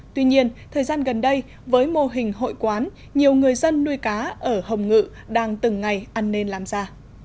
tuy nhiên thời gian gần đây với mô hình hội quán nhiều người dân nuôi cá ở hồng ngự đang từng ngày ăn nên làm ra